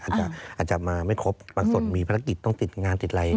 อาจจะมาไม่ครบบางส่วนมีภารกิจต้องติดงานติดอะไร